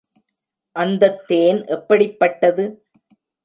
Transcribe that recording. அந்தத் தேன் எப்படிப்பட்டது?